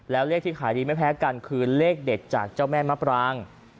แล้วเลขที่ขายดีไม่แพ้กันคือเลขเด็ดจากเจ้าแม่มะปราง